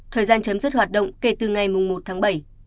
thời gian chấm dứt hoạt động kể từ ngày một tháng bảy